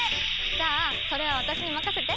じゃあそれはわたしにまかせて！